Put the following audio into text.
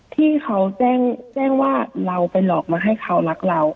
ที่เขาแจ้งว่าเราไปหลอกมาให้เขารักเรา